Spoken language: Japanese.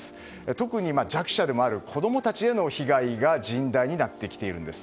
特に、弱者でもある子供たちへの被害が甚大になってきているんです。